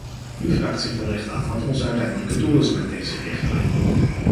U vraagt zich wellicht af wat ons uiteindelijke doel is met deze richtlijn.